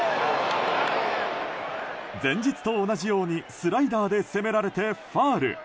前日と同じようにスライダーで攻められてファウル。